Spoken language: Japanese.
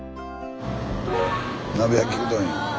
鍋焼きうどんや。